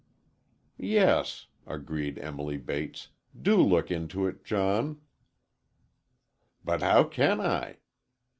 "Yes," agreed Emily Bates, "do look into it, John." "But how can I?"